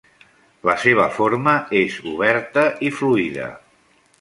La seva forma és oberta i fluida.